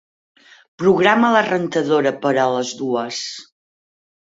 Programa la rentadora per a les dues.